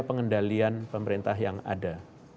pengendalian pemerintah yang ada